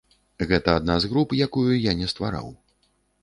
Гэта адна з груп, якую я не ствараў.